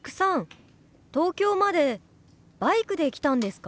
東京までバイクで来たんですか？